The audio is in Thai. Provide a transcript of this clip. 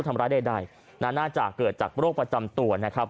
ทำร้ายใดน่าจะเกิดจากโรคประจำตัวนะครับ